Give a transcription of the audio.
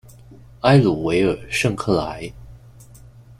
埃鲁维尔圣克莱。